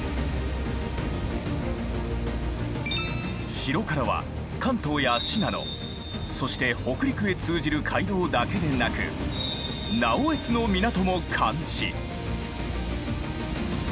城からは関東や信濃そして北陸へ通じる街道だけでなく直江津の港も監視！